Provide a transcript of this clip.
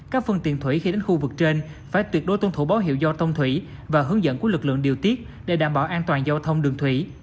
các phương tiện thủy khi đến khu vực trên phải tuyệt đối tuân thủ báo hiệu do tông thủy và hướng dẫn của lực lượng điều tiết để đảm bảo an toàn giao thông đường thủy